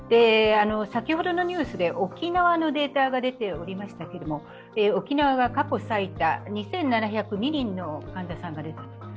先ほど、沖縄のデータが出ていましたけど沖縄が過去最多２７０２人の患者さんが出たと。